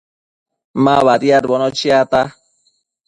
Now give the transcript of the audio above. Ma badiadbono chiata